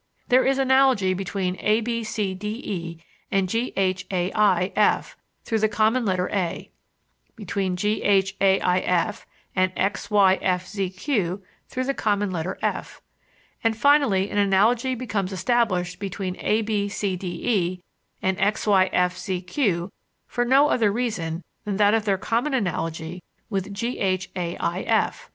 There is analogy between a b c d e and g h a i f through the common letter a; between g h a i f and x y f z q through the common letter f; and finally an analogy becomes established between a b c d e and x y f z q for no other reason than that of their common analogy with g h a i f.